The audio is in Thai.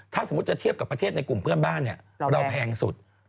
ถ้าสมมุติจะเทียบกับประเทศในกลุ่มเพื่อนบ้านเราแพงสุด